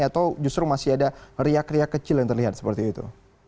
atau ada riak riak kecil yang terlihat seperti itu